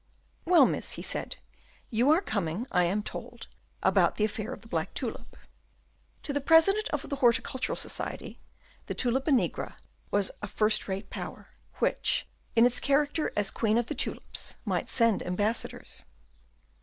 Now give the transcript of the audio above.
"Well, miss," he said, "you are coming, I am told, about the affair of the black tulip." To the President of the Horticultural Society the Tulipa nigra was a first rate power, which, in its character as queen of the tulips, might send ambassadors.